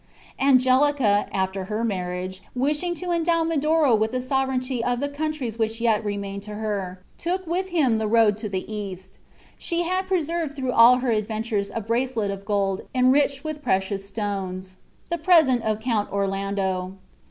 Angelica, after her marriage, wishing to endow Medoro with the sovereignty of the countries which yet remained to her, took with him the road to the East. She had preserved through all her adventures a bracelet of gold enriched with precious stones, the present of the Count Orlando.